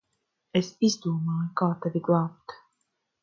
Es izdomāju, kā tevi glābt.